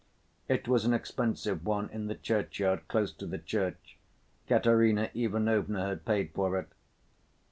It was an expensive one in the churchyard close to the church, Katerina Ivanovna had paid for it.